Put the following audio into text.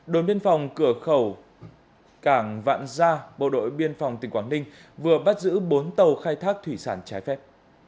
đồn biên phòng cửa khẩu cảng vạn gia bộ đội biên phòng tỉnh quảng ninh vừa bắt giữ bốn tàu khai thác thủy sản trái phép